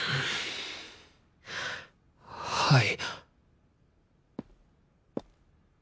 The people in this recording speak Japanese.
はい。